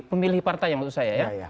pemilih partai maksud saya ya